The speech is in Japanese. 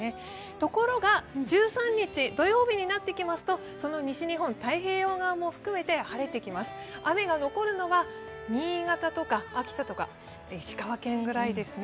ところが１３日土曜日になってきますとその西日本、太平洋側も含めて晴れてきます、雨が残るのは新潟とか秋田とか石川県ぐらいですね。